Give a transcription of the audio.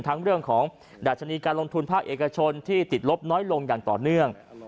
เรื่องของดัชนีการลงทุนภาคเอกชนที่ติดลบน้อยลงอย่างต่อเนื่อง